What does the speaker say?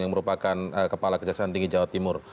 yang merupakan kepala kejaksaan tinggi jawa timur